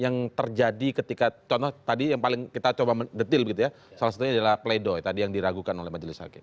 yang terjadi ketika contoh tadi yang paling kita coba mendetil begitu ya salah satunya adalah pleidoy tadi yang diragukan oleh majelis hakim